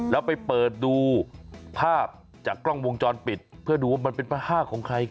แล้วไปเปิดดูภาพจากกล้องวงจรปิดเพื่อดูว่ามันเป็นผ้าห้าของใคร